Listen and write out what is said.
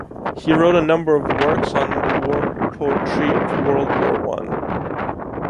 He wrote a number of works on the war poetry of World War One.